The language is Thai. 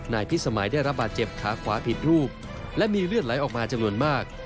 พิสมัยได้รับบาดเจ็บขาขวาผิดรูปและมีเลือดไหลออกมาจำนวนมาก